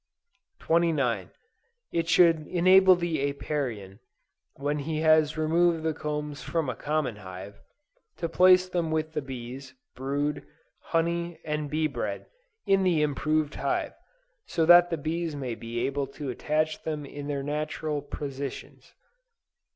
29. It should enable the Apiarian, when he has removed the combs from a common hive, to place them with the bees, brood, honey and bee bread, in the improved hive, so that the bees may be able to attach them in their natural positions.